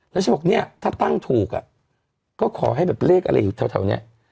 แล้วฉันบอกเนี่ยถ้าตั้งถูกอ่ะก็ขอให้แบบเลขอะไรอยู่แถวนี้